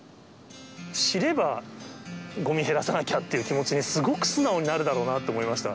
知れば、ごみ減らさなきゃっていう気持ちにすごく素直になるだろうなって思いました。